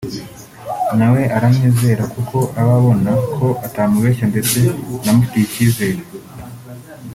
nawe aramwizera kuko aba abona ko atamubeshya ndetse anamufitiye ikizere